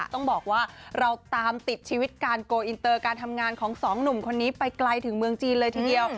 ต้องบอกว่าเราตามติดชีวิตการโกลอินเตอร์การทำงานของสองหนุ่มคนนี้ไปไกลถึงเมืองจีนเลยทีเดียว